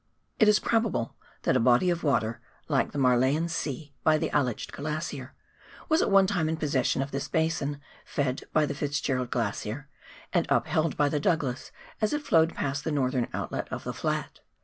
It is probable that a body of water, like the Marjelen See by the Aletsch Glacier, was at one time in possession of this basin, fed by the FitzGerald Glacier, and upheld by the Douglas as it flowed past the northern outlet of the flat.